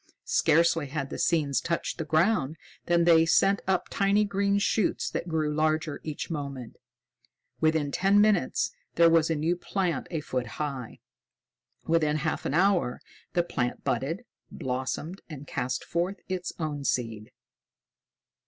Scarcely had the seeds touched the ground than they sent up tiny green shoots that grew larger each moment. Within ten minutes there was a new plant a foot high. Within half an hour, the plant budded, blossomed, and cast forth its own seed.